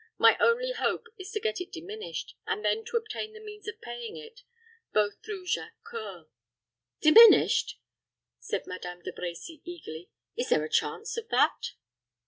My only hope is to get it diminished, and then to obtain the means of paying it both through Jacques C[oe]ur." "Diminished!" said Madame De Brecy, eagerly. "Is there a chance of that?"